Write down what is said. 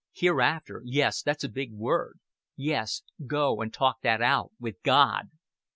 "Hereafter yes, that's a big word. Yes, go and talk that out with God."